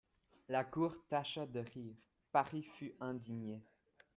La cour tâcha de rire ; Paris fut indigné.